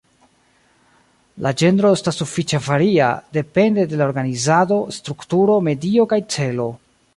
La ĝenro estas sufiĉe varia, depende de la organizado, strukturo, medio kaj celo.